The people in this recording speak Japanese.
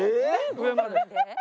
上まで。